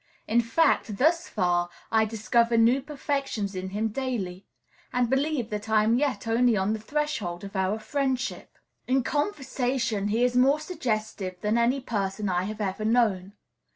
In fact, thus far, I discover new perfections in him daily, and believe that I am yet only on the threshold of our friendship. In conversation he is more suggestive than any person I have ever known.